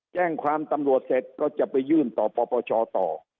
แจ้งความตำรวจเสร็จก็จะไปยื่นต่อปปชต่อ